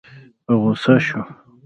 په غوسه شو.